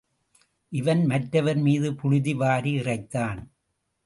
இவன் மற்றவர் மீது புழுதி வாரி இறைத்தான்.